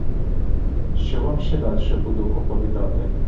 Що вам ще дальше буду оповідати?